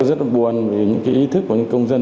rất buồn vì những ý thức của công dân